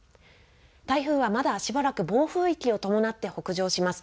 台風はまだしばらく暴風域を伴って北上します。